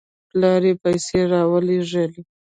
پلار یې پیسې راولېږلې.